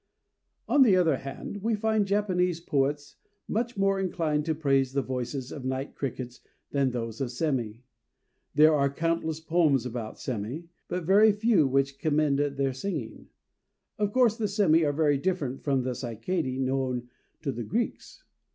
_" On the other hand, we find Japanese poets much more inclined to praise the voices of night crickets than those of sémi. There are countless poems about sémi, but very few which commend their singing. Of course the sémi are very different from the cicadæ known to the Greeks.